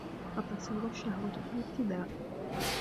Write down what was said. فَتَصِيرُ الشَّهْوَةُ فِي الِابْتِدَاءِ